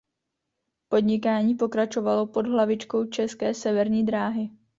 Podnikání pokračovalo pod hlavičkou České severní dráhy.